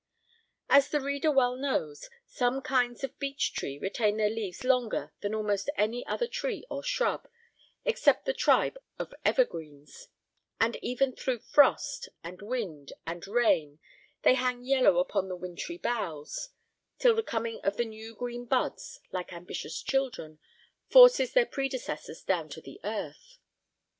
As the reader well knows, some kinds of beech tree retain their leaves longer than almost any other tree or shrub, except the tribe of evergreens; and even through frost, and wind, and rain, they hang yellow upon the wintry boughs, till the coming of the new green buds, like ambitious children, forces their predecessors down to the earth.